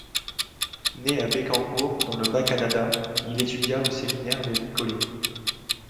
Né à Bécancour dans le Bas-Canada, il étudia au Séminaire de Nicolet.